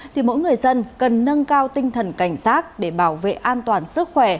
thì mỗi người dân cần nâng cao tinh thần cảnh sát để bảo vệ an toàn sức khỏe